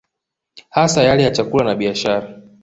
Hasa yale ya chakula na biashara